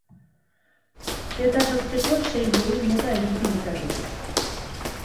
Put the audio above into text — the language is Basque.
Zeta sortzeko sei guruin mota eduki ditzakete.